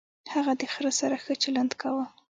هغه د خر سره ښه چلند کاوه.